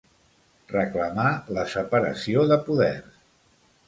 Reclamà la separació de poders.